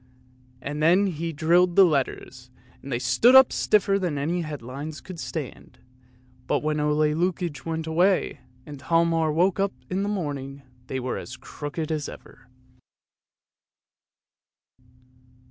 " and then he drilled the letters and they stood up stiffer than any headlines could stand. But when Ole Lukoie went away and Hialmar woke up in the morning they were as crooked as ever.